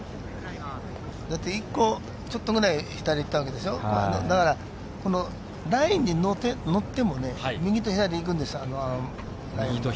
一個ちょっとくらい左に行ったわけでしょ、ラインに乗っても右と左に行くんですよ。